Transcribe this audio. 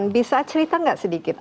bisa cerita nggak sedikit